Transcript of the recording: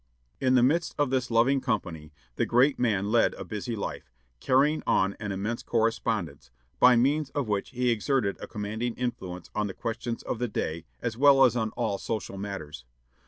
In the midst of this loving company, the great man led a busy life, carrying on an immense correspondence, by means of which he exerted a commanding influence on the questions of the day as well as on all social matters.